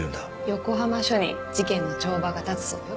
横浜署に事件の帳場が立つそうよ。